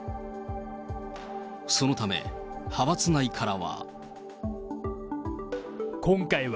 そのため、派閥内からは。